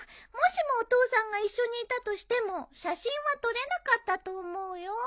もしもお父さんが一緒にいたとしても写真は撮れなかったと思うよ。